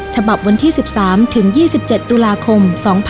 ฉบับวันที่๑๓ถึง๒๗ตุลาคม๒๕๖๒